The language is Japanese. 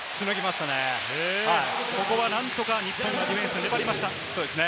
ここは何とか日本がディフェンス、粘りました。